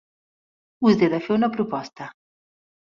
Us he de fer una proposta.